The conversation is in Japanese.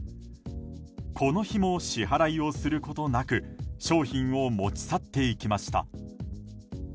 この日も支払いをすることなく商品を持ち去っていきました。